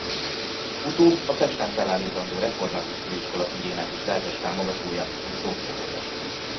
Utóbb a Pesten felállítandó Református Főiskola ügyének is lelkes támogatója és szószólója.